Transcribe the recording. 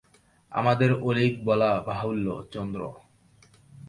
আমাদের অধিক বলা বাহুল্য– চন্দ্র।